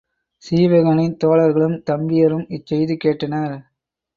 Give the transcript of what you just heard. சீவகனின் தோழர்களும், தம்பியரும் இச்செய்தி கேட்டனர்.